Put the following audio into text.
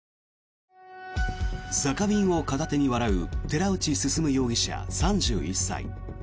酒瓶を片手に笑う寺内進容疑者、３１歳。